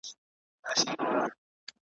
چي د هیڅ هدف لپاره مي لیکلی نه دی ,